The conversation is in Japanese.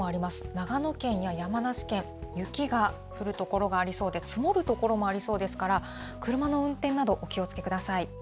長野県や山梨県、雪が降る所がありそうで、積もる所もありそうですから、車の運転など、お気をつけください。